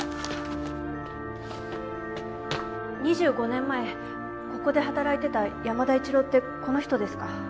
２５年前ここで働いてた山田一郎ってこの人ですか？